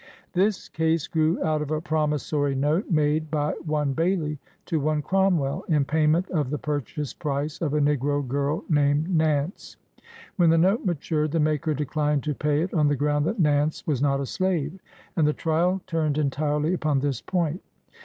117 LINCOLN THE LAWYER This case grew out of a promisory note made by one Bailey to one Cromwell in payment of the purchase price of a negro girl named Nance. When the note matured the maker declined to pay it on the ground that Nance was not a slave, and the trial turned entirely upon this point.